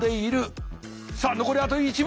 さあ残りあと１秒！